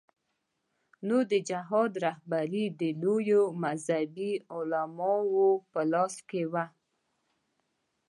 نو د جهاد رهبري د لویو مذهبي علماوو په لاس کې وه.